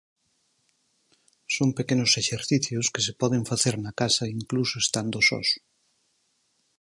Son pequenos exercicios que se poden facer na casa incluso estando sós.